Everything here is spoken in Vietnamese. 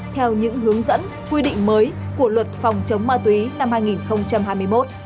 theo những hướng dẫn quy định mới của luật phòng chống ma túy năm hai nghìn hai mươi một